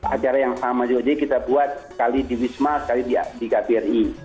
acara yang sama joj kita buat sekali di wisma sekali di kbri